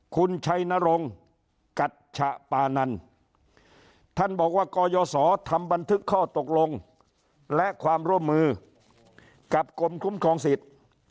คุณชัยนรงกัชปานันท่านบอกว่ากยศทำบันทึกข้อตกลงและความร่วมมือกับกรมคุ้มครองสิทธิ์